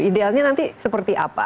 idealnya nanti seperti apa